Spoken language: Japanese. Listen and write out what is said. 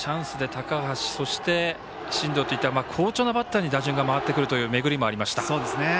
高橋そして、進藤といった好調なバッターに打順が回ってくるという巡りもありました。